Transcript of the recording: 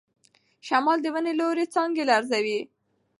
شمال د ونې لوړې څانګې لړزوي.